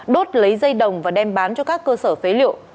đốt lấy dây đồng và đem bán cho các cơ sở phế liệu